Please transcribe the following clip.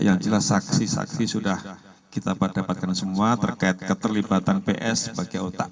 yang jelas saksi saksi sudah kita dapatkan semua terkait keterlibatan ps sebagai otak